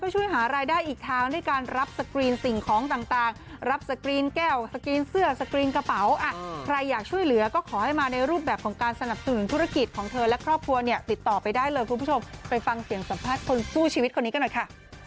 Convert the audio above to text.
ใครอยากช่วยเหลือก็ขอให้มาในรูปแบบของการสนับสนุนธุรกิจของเธอและครอบครัวเนี่ยติดต่อไปได้เลยคุณผู้ชมไปฟังเสียงสัมภาษณ์คนสู้ชีวิตคนนี้กันหน่อยค่ะ